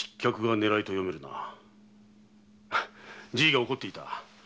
じいが怒っていた。